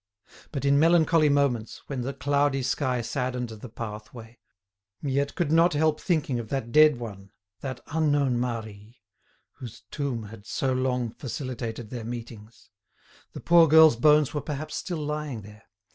But in melancholy moments, when the cloudy sky saddened the pathway, Miette could not help thinking of that dead one, that unknown Marie, whose tomb had so long facilitated their meetings. The poor girl's bones were perhaps still lying there.